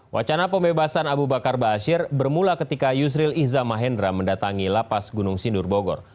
wacana pembebasan abu bakar ba'asyir bermula ketika yusril izzah mahendra mendatangi lapas gunung sindur bogor